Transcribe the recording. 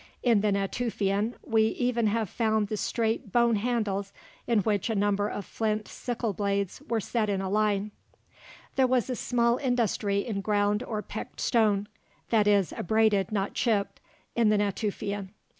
In the Natufian, we have even found the straight bone handles in which a number of flint sickle blades were set in a line. There was a small industry in ground or pecked stone (that is, abraded not chipped) in the Natufian.